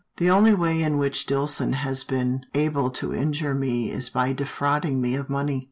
"" The only way in which Dillson has been able to injure me is by defrauding me of money.